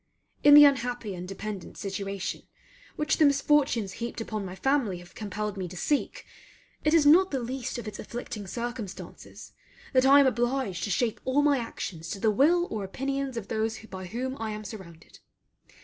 In the unhappy and dependent situation which the misfortunes heaped upon my family have compelled me to seek, it is not the least of its afflicting circumstances that I am obliged to shape all my actions to the will or opinions of those by whom I am surrounded.